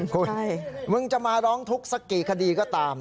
คุณมึงจะมาร้องทุกข์สักกี่คดีก็ตาม